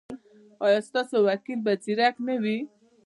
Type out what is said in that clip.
ایا ستاسو وکیل به زیرک نه وي؟